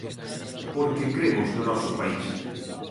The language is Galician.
Porque cremos no noso país.